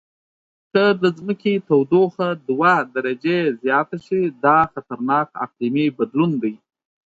که د ځمکې تودوخه دوه درجې زیاته شي، دا خطرناک اقلیمي بدلون دی.